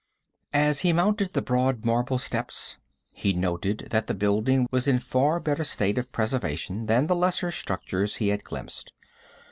As he mounted the broad marble steps, he noted that the building was in far better state of preservation than the lesser structures he had glimpsed.